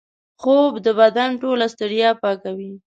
خوب د بدن ټوله ستړیا پاکوي